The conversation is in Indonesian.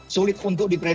sulit untuk dibelakang